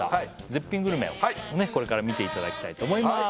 絶品グルメをこれから見ていただきたいと思います